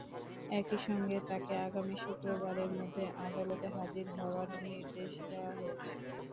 একই সঙ্গে তাঁকে আগামী শুক্রবারের মধ্যে আদালতে হাজির হওয়ার নির্দেশ দেওয়া হয়েছে।